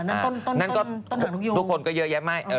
อ่านั่นต้นหาทุกยู